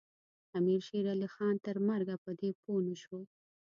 امیر شېرعلي خان تر مرګه په دې پوه نه شو.